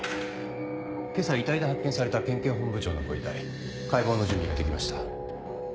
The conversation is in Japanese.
今朝遺体で発見された県警本部長のご遺体解剖の準備ができました。